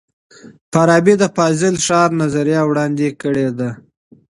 فارابي د فاضله ښار نظریه وړاندې کړې ده.